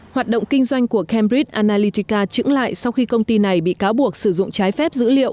hoạt động kinh doanh của cambridge analalytica trưởng lại sau khi công ty này bị cáo buộc sử dụng trái phép dữ liệu